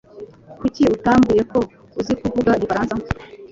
Kuki utambwiye ko uzi kuvuga igifaransa?